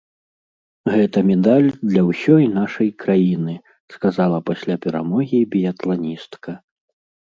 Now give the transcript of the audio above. Гэта медаль для ўсёй нашай краіны, сказала пасля перамогі біятланістка.